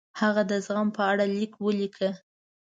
هغه د زغم په اړه لیک ولیکه.